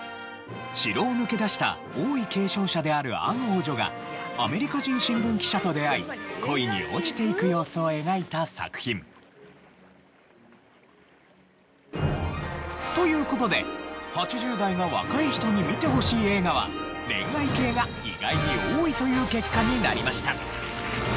城を抜け出した王位継承者であるアン王女がアメリカ人新聞記者と出会い恋に落ちていく様子を描いた作品。という事で８０代が若い人に見てほしい映画は恋愛系が意外に多いという結果になりました。